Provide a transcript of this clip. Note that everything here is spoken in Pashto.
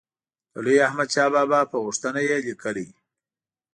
د لوی احمدشاه بابا په غوښتنه یې لیکلی.